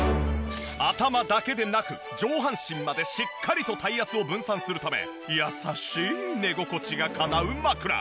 頭だけでなく上半身までしっかりと体圧を分散するため優しい寝心地がかなう枕。